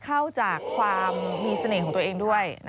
เข้าจากความมีเสน่ห์ของตัวเองด้วย